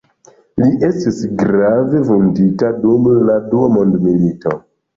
Li estis grave vundita dum la dua mondmilito.